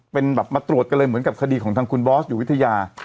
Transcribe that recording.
เป็นแบบมาตรวจกันเลยเหมือนกับคดีของทางคุณบอสอยู่วิทยา